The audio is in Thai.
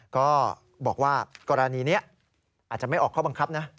ก็บอกว่ากรณีนี้อาจจะไม่ออกข้อบังคับนะ